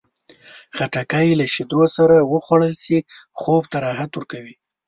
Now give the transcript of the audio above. خټکی له شیدو سره وخوړل شي، خوب ته راحت ورکوي.